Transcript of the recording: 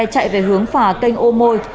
chạy về hướng phà kênh ô môi